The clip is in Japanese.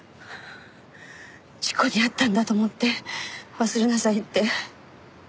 事故に遭ったんだと思って忘れなさいって。